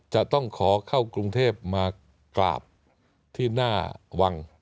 จะต้องขอเข้ากรุงเทพมากราบที่หน้าวัง